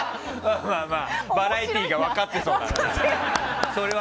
バラエティーが分かってそう。